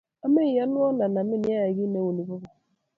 omeyonwo anamin yeiyai kiit neu ni kokeny